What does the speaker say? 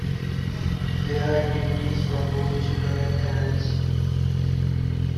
There are activities for both children and adults.